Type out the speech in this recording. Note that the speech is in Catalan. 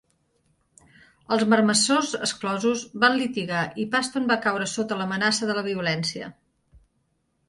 Els marmessors exclosos van litigar i Paston va caure sota l'amenaça de violència.